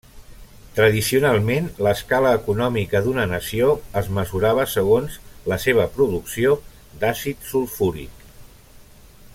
Tradicionalment, l'escala econòmica d'una nació es mesurava segons la seva producció d'àcid sulfúric.